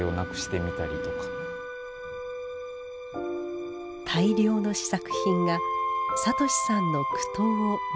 大量の試作品が聡さんの苦闘を物語ります。